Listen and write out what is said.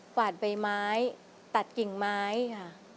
วาดใบไม้ตัดกิ่งไม้ค่ะ